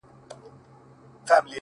• نه به اوري څوك فرياد د مظلومانو ,